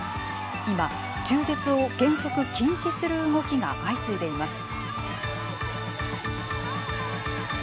今、中絶を原則禁止する動きが相次いでいます。